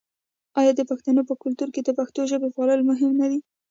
آیا د پښتنو په کلتور کې د پښتو ژبې پالل مهم نه دي؟